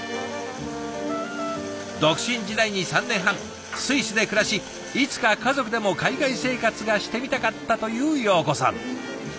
独身時代に３年半スイスで暮らしいつか家族でも海外生活がしてみたかったという洋子さん。